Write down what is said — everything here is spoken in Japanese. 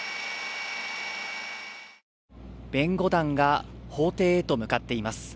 弁護団が法廷へと向かっています。